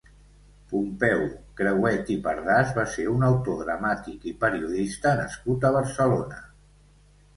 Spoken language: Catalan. Pompeu Crehuet i Pardas va ser un autor dramàtic i periodista nascut a Barcelona.